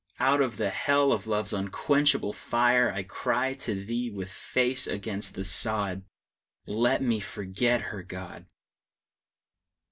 Out of the hell of love's unquenchable fire I cry to thee, with face against the sod, Let me forget her, God!